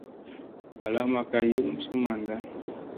Mbala makka yulum su manda.